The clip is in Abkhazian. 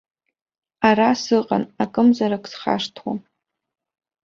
Ара сыҟан акымзарак схашҭуам.